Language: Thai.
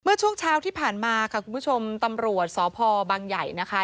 ช่วงเช้าที่ผ่านมาค่ะคุณผู้ชมตำรวจสพบังใหญ่นะคะ